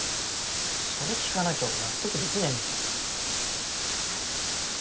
それ聞かなきゃ俺納得できないんで。